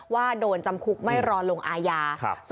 ว่าโดนจำคุกไม่รอลงอาญา